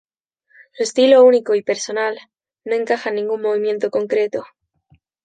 Su estilo único y personal, no encaja en ningún movimiento concreto.